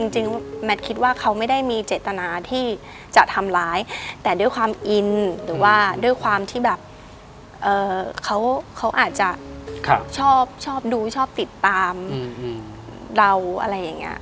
แมทคิดว่าเขาไม่ได้มีเจตนาที่จะทำร้ายแต่ด้วยความอินหรือว่าด้วยความที่แบบเขาอาจจะชอบดูชอบติดตามเราอะไรอย่างนี้